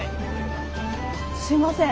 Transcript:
すいません。